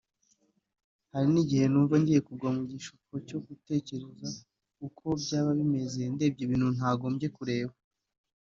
Hari n’igihe numva ngiye kugwa mu gishuko cyo gutekereza uko byaba bimeze ndebye ibintu ntagombye kureba